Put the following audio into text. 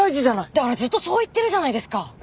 だからずっとそう言ってるじゃないですか！